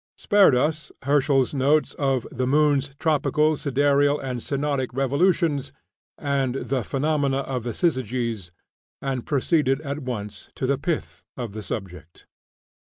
spared us Herschel's notes of "the Moon's tropical, sidereal, and synodic revolutions," and the "phenomena of the syzygies," and proceeded at once to the pith of the subject.